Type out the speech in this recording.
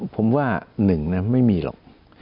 ผมว่าหนึ่งนะไม่มีหรอก